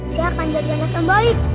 saya akan jadi anak yang baik